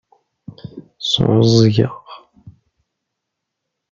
Sɛuẓẓgeɣ.